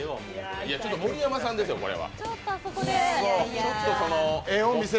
盛山さんですよ、これ。